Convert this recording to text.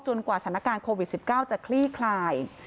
กว่าสถานการณ์โควิด๑๙จะคลี่คลาย